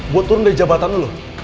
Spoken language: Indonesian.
buat turun dari jabatan lo